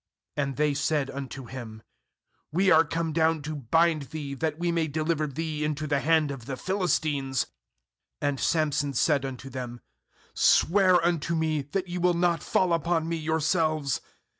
^And they said unto him: 'We are come down to bind thee, that we may deliver thee into the hand of the Philistines.' And Samson said unto them: 'Swear unto me, that ye will not fall upon me yourselves.'